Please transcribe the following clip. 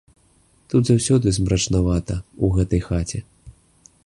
Тут заўсёды змрачнавата, у гэтай хаце.